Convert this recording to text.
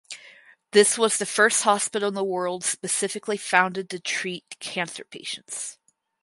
This was the first hospital in the world specifically founded to treat cancer patients.